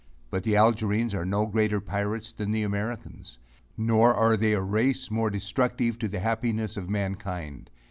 But, the Algerines are no greater pirates than the Americans; nor are they a race more destructive to the happiness to mankind.